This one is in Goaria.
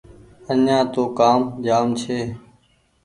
آڃآن تو ڪآم جآم ڇي